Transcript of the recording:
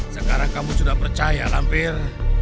sekarang kamu sudah percaya lampir